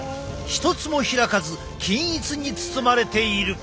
一つも開かず均一に包まれている。